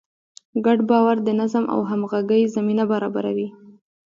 ګډ باور د نظم او همغږۍ زمینه برابروي.